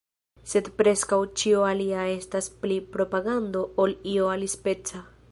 Sed preskaŭ ĉio alia estas pli propagando ol io alispeca.